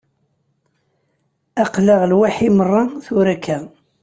Aql-aɣ lwaḥi merra, tura akka.